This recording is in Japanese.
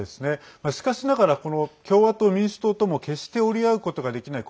しかしながら共和党、民主党とも決して折り合うことができない